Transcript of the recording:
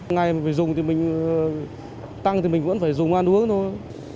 ngay mà phải dùng thì mình tăng thì mình vẫn phải dùng ăn uống thôi